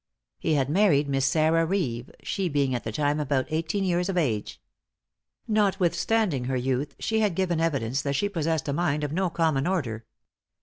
He had married Miss Sarah Reeve, she being at the time about eighteen years of age. Notwithstanding her youth, she had given evidence that she possessed a mind of no common order.